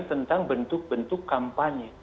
tentang bentuk bentuk kampanye